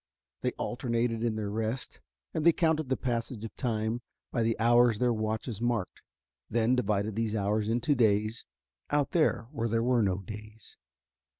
They alternated in their rest. And they counted the passage of time by the hours their watches marked, then divided these hours into days out there where there were no days.